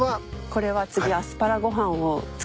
これは次アスパラご飯を作っていただきたい。